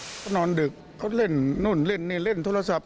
เขานอนดึกเขาเล่นนู่นเล่นนี่เล่นโทรศัพท์